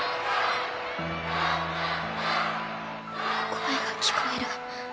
声が聞こえる